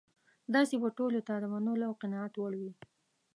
داسې به ټولو ته د منلو او قناعت وړ وي.